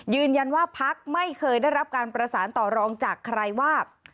พักไม่เคยได้รับการประสานต่อรองจากใครว่า